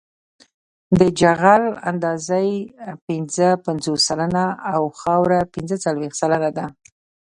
د جغل اندازه پنځه پنځوس سلنه او خاوره پنځه څلویښت سلنه ده